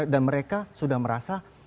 dan mereka sudah merasa